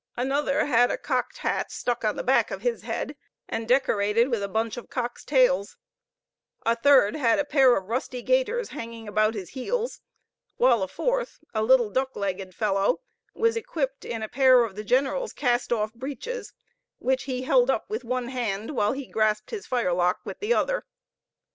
Another had a cocked hat stuck on the back of his head, and decorated with a bunch of cocks' tails; a third had a pair of rusty gaiters hanging about his heels; while a fourth, a little duck legged fellow, was equipped in a pair of the general's cast off breeches, which he held up with one hand while he grasped his firelock with the other.